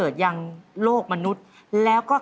โดดเลยอะ